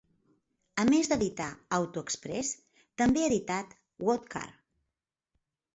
A més d'editar "Auto Express" també ha editat "What Car?